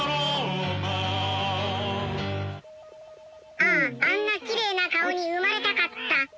あああんなきれいな顔に生まれたかった。